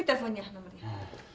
ini teleponnya nomernya